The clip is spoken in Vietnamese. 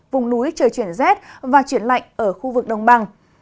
vùng núi trời chuyển rét và chuyển lạnh ở khu vực đồng bằng